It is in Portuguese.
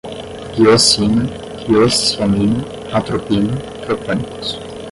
hioscina, hiosciamina, atropina, tropânicos